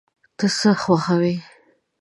ته څه خوښوې؟